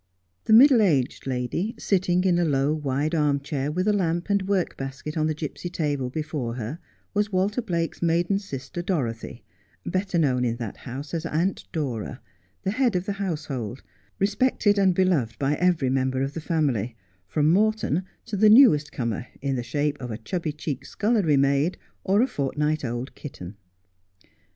The middle aged lady, sitting in a low, wide arm chair with a lamp and a work basket on the gipsy table before her, was "Walter Blake's maiden sister, Dorothy, better known in that house as Aunt Dora, the head of the household, respected and beloved by every member of the family, from Morton to the newest comer in the shape of a chubby cheeked scullery maid or a fortnight old kitten.